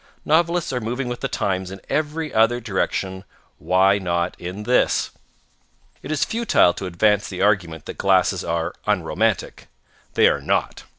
Novelists are moving with the times in every other direction. Why not in this? It is futile to advance the argument that glasses are unromantic. They are not.